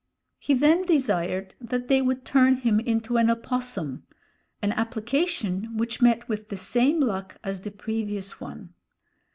He then desired that they would turn him into an opossum; an application which met with the same luck as the previous one.